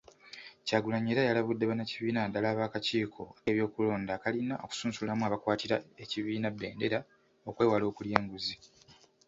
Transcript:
Kyagulanyi era yalabudde bannakibiina naddala ab'akakiiko k’ebyokulonda akalina okusunsulamu abakwatira ekibiina bbendera okwewala okulya enguzi.